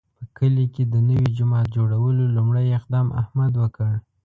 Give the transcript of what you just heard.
په کلي کې د نوي جومات جوړولو لومړی اقدام احمد وکړ.